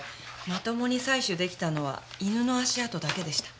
まともに採取できたのは犬の足跡だけでした。